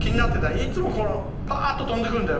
いっつもこのパーッと跳んでくるんだよ